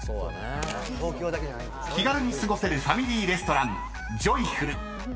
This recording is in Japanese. ［気軽に過ごせるファミリーレストラン］